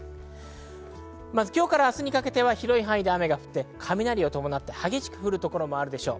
今日から明日にかけては広い範囲で雨が降って雷を伴って、激しく降る所もあるでしょう。